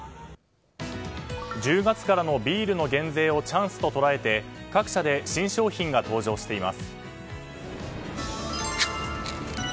１０月からのビールの減税をチャンスと捉えて各社で新商品が登場しています。